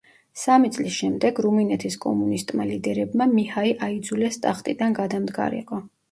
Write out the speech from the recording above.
სამი წლის შემდეგ რუმინეთის კომუნისტმა ლიდერებმა მიჰაი აიძულეს ტახტიდან გადამდგარიყო.